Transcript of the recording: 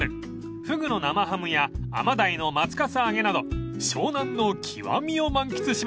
［フグの生ハムやアマダイの松笠揚げなど湘南の極みを満喫します］